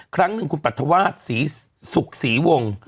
ครั้งหนึ่งคุณปรัฐวาสสุขสีวง